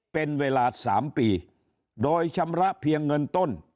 เป็นเวลา๓ปีโดยชำระเพียงเงินต้น